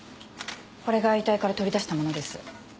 これが遺体から取り出したものです。